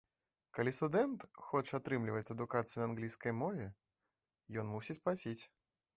Калі студэнт хоча атрымліваць адукацыю на англійскай мове, ён мусіць плаціць.